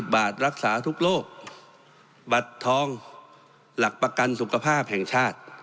บาทรักษาทุกโรคบัตรทองหลักประกันสุขภาพแห่งชาติ